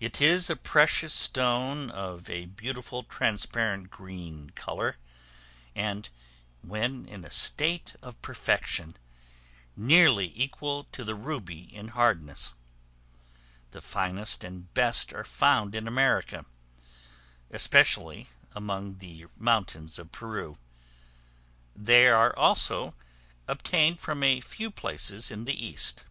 It is a precious stone of a beautiful transparent green color, and, when in a state of perfection, nearly equal to the ruby in hardness. The finest and best are found in America, especially among the mountains of Peru; they are also obtained from a few places in the East.